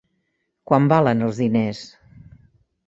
Quant valen els diners?